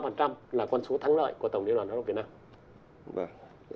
nó là con số thắng lợi của tổng điều đoàn lợi ích hợp pháp việt nam